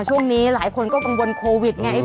ช่วงนี้หลายคนก็กังวลโควิดไง